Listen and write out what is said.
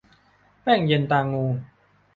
แป้งเย็นตรางู